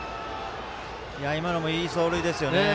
今のもいい走塁ですね。